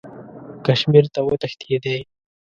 کشمیر ته وتښتېدی.